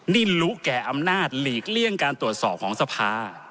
นิ่นรู้แก่อำนาจหลีกเลี่ยงการตรวจสอบของสภา